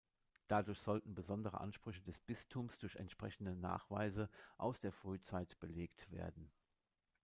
Dadurch sollten besondere Ansprüche des Bistums durch entsprechende „Nachweise“ aus der Frühzeit belegt werden.